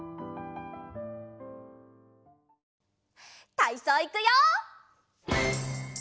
たいそういくよ！